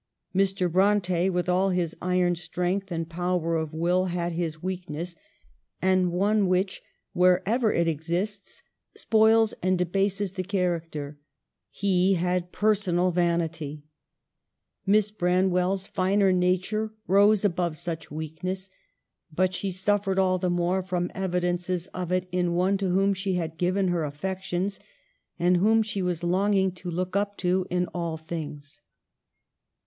Mr. Bronte, with all his iron strength and power of will, had his weakness, and one X8 EMILY BRONTE. which, wherever it exists, spoils and debases the character — he had personal vanity. Miss Bran well's finer nature rose above such weakness ; but she suffered all the more from evidences of it in one to whom she had given her affections and whom she was longing to look up to in all things."